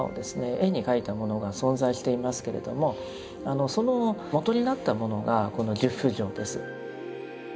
絵に描いたものが存在していますけれどもその元になったものがこの十不浄です。